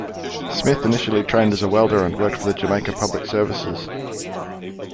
Smith initially trained as a welder and worked for the Jamaica Public Services.